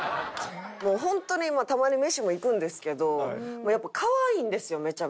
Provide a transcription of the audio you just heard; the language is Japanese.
ホントにまあたまに飯も行くんですけどやっぱかわいいんですよめちゃめちゃ。